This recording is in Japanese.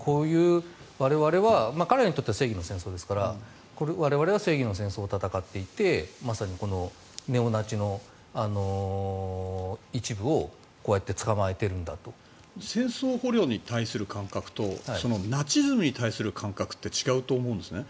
我々は彼らにとっては正義の戦争ですから我々は正義の戦争を戦っていてまさにネオナチの一部を戦争捕虜に対する感覚とナチズムに対する感覚って違うと思うんですね。